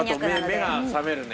あと目が覚めるね